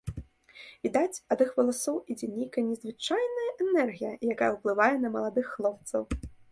Відаць, ад іх валасоў ідзе нейкая незвычайная энергія, якая ўплывае на маладых хлопцаў.